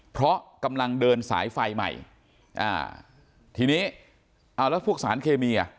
เพราะกำลังเดินสายไฟใหม่อ่าทีนี้เอาแล้วพวกสารเคมีอ่ะ